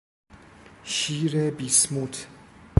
شیر بیسموت